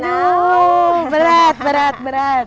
waduh berat berat berat